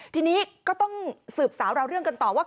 ทีนี้ก็ต้องสืบสาวเราเรื่องกันต่อว่า